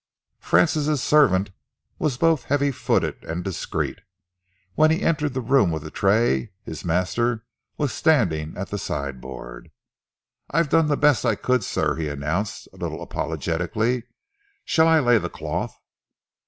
Francis' servant was both heavy footed and discreet. When he entered the room with a tray, his master was standing at the sideboard. "I've done the best I could, sir," he announced, a little apologetically. "Shall I lay the cloth?"